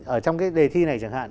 ở trong cái đề thi này chẳng hạn